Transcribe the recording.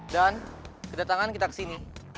dan kedatangan kita kesini